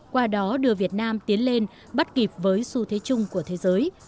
qua đó đưa việt nam tiến lên bắt kịp với xu thế chung của thế giới